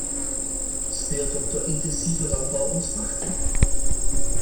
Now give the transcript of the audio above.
Speelt een te intensieve landbouw ons parten?